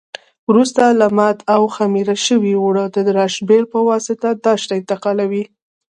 وروسته لمد او خمېره شوي اوړه د راشپېل په واسطه داش ته انتقالوي.